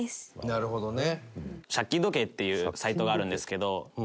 なるほどね。